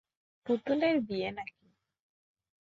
পুতুলের বিয়ে নাকি।